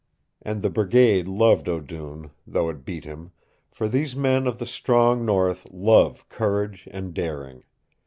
And the brigade loved O'Doone, though it beat him, for these men of the strong north love courage and daring.